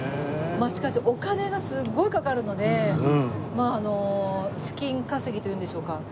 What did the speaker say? まあしかしお金がすごいかかるので資金稼ぎというんでしょうか。